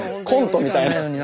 コントみたいな。